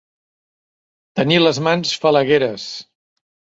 Tenir les mans falagueres.